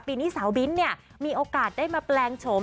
ปีนี้สาวบิ้นเนี่ยมีโอกาสได้มาแปลงโฉม